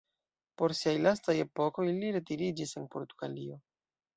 Por siaj lastaj epokoj li retiriĝis en Portugalio.